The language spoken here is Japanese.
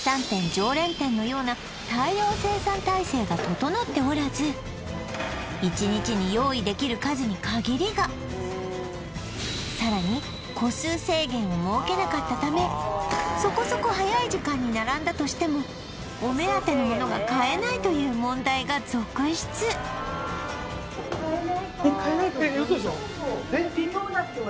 常連店のような用意できるさらに個数制限を設けなかったためそこそこ早い時間に並んだとしてもお目当てのものが買えないという問題が続出えっウソでしょ！